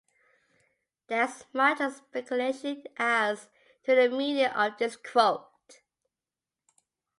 There is much speculation as to the meaning of this quote.